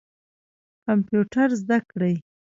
کمپیوټر زده کړئ